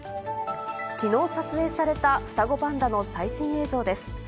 きのう撮影された双子パンダの最新映像です。